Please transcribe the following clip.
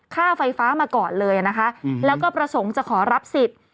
ค่าไฟฟ้ามาก่อนเลยนะคะแล้วก็ประสงค์จะขอรับสิทธิ์